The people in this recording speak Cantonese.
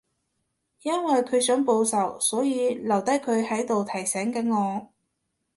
因為佢想報仇，所以留低佢喺度提醒緊我